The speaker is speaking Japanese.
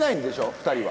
２人は。